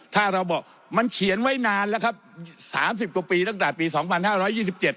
ถ้าเราบอกมันเขียนไว้นานแล้วครับสามสิบกว่าปีตั้งแต่ปีสองพันห้าร้อยยี่สิบเจ็ด